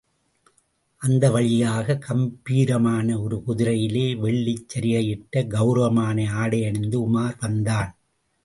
அந்த வழியாக, கம்பீரமான ஒரு குதிரையிலே, வெள்ளிச் சரிகையிட்ட கெளரமான ஆடையணிந்து உமார் வந்தான்.